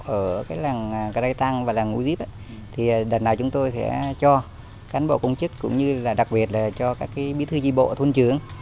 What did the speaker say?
ở làng cái rây tăng và làng u díp đợt nào chúng tôi sẽ cho cán bộ công chức cũng như đặc biệt cho các bí thư di bộ thôn trưởng